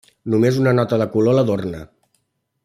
Només una nota de color l'adorna.